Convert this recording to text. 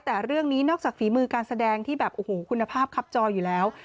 แต่เรื่องนี้นอกจากฝีมือการแสดงที่แบบโอ้โหคุณภาพครับจออยู่แล้ว